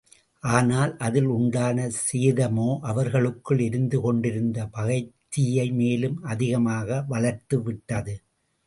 ஆனால், அதில் உண்டான சேதமோ, அவர்களுக்குள் எரிந்து கொண்டிருந்த பகைத் தீயை மேலும் அதிகமாக வளர்த்து விட்டது.